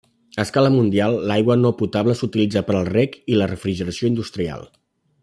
A escala mundial, l'aigua no potable s'utilitza per al reg i la refrigeració industrial.